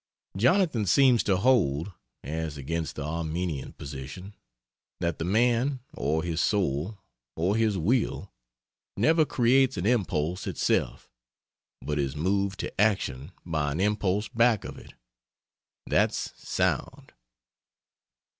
Jonathan seems to hold (as against the Arminian position) that the Man (or his Soul or his Will) never creates an impulse itself, but is moved to action by an impulse back of it. That's sound!